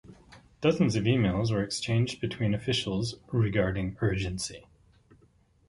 Dozens of emails were exchanged between officials "regarding urgency".